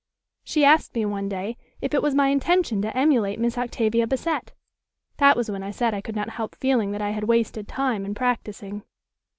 She asked me, one day, if it was my intention to emulate Miss Octavia Bassett. That was when I said I could not help feeling that I had wasted time in practising."